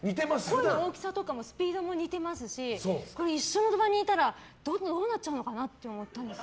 声の大きさとかスピードも似てますし一緒の場にいたらどうなっちゃうのかなって。